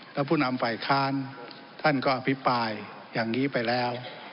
แล้วผู้นำฝ่ายค้านท่านก็อภิปรายอย่างนี้ไปแล้ว